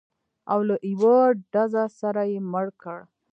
او له یوه ډزه سره یې مړ کړ.